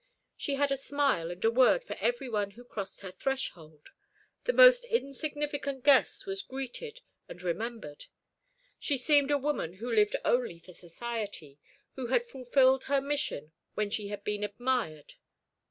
She had a smile and a word for every one who crossed her threshold; the most insignificant guest was greeted and remembered. She seemed a woman who lived only for society, who had fulfilled her mission when she had been admired.